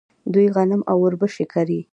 دوی غنم او وربشې کري.